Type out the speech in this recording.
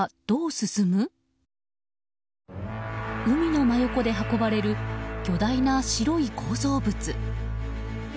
海の真横で運ばれる巨大な白い構造物。